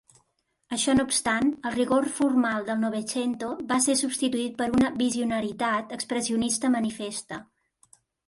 Això no obstant, el rigor formal del Novecento vas ser substituït per una visionaritat expressionista manifesta.